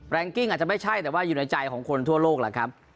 กิ้งอาจจะไม่ใช่แต่ว่าอยู่ในใจของคนทั่วโลกล่ะครับ